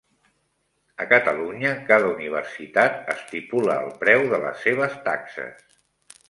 A Catalunya cada universitat estipula el preu de les seves taxes